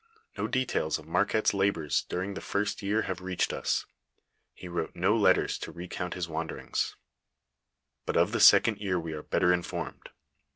No details of Marquette's labors during the first year have reached us ; he wrote no letters to recount his wanderings,* but of the second year we are better informed.